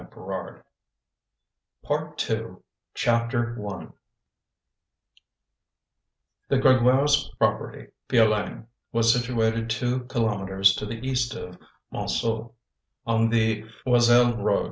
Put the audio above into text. PART TWO CHAPTER I The Grégoires' property, Piolaine, was situated two kilometres to the east of Montsou, on the Joiselle road.